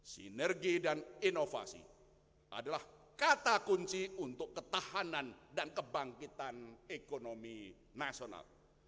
sinergi dan inovasi adalah kata kunci untuk ketahanan dan kebangkitan ekonomi nasional